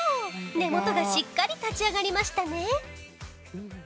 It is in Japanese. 根元がしっかり立ち上がりましたね。